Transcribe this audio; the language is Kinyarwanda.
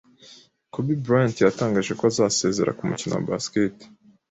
Kobe Bryant yatangaje ko azasezera ku mukino wa Basketball